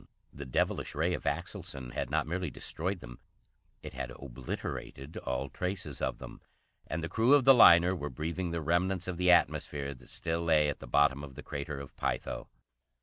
The devilish ray of Axelson had not merely destroyed them, it had obliterated all traces of them, and the crew of the liner were breathing the remnants of the atmosphere that still lay at the bottom of the Crater of Pytho.